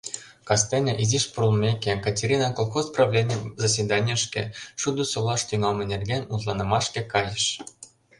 Кастене, изиш пурлмеке, Катерина колхоз правлений заседанийышке, шудо солаш тӱҥалме нерген мутланымашке кайыш.